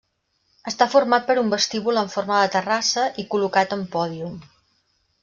Està format per un vestíbul en forma de terrassa, i col·locat en pòdium.